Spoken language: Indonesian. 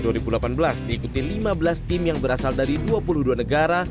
diikuti lima belas tim yang berasal dari dua puluh dua negara